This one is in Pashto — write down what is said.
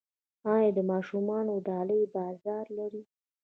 آیا د ماشومانو ډالۍ بازار لري؟